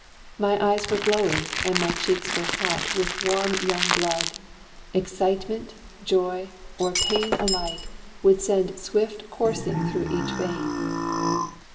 My eyes were glowing, and my cheeks were hot With warm young blood; excitement, joy, or pain Alike would send swift coursing through each vein.